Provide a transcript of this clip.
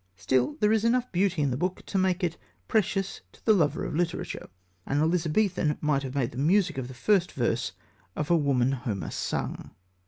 Still, there is enough beauty in the book to make it precious to the lover of literature. An Elizabethan might have made the music of the first verse of A Woman Homer Sung.